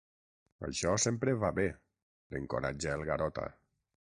Això sempre va bé—l'encoratja el Garota.